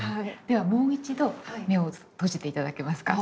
ではもう一度目を閉じていただけますか？